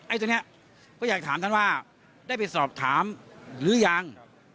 ตัวนี้ก็อยากถามท่านว่าได้ไปสอบถามหรือยัง